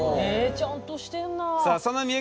えちゃんとしてんな。